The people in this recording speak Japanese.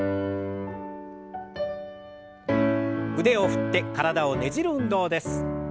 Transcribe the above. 腕を振って体をねじる運動です。